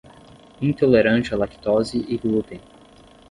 Intolerante à lactose e glúten